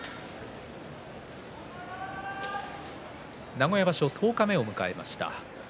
名古屋場所十日目を迎えました。